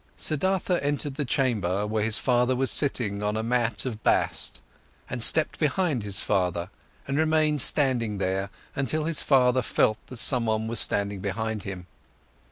Siddhartha entered the chamber, where his father was sitting on a mat of bast, and stepped behind his father and remained standing there, until his father felt that someone was standing behind him.